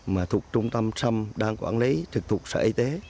mà thuộc trung tâm đang quản lý trực thuộc sở y tế